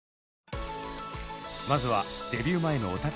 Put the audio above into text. まずはデビュー前のお宝映像。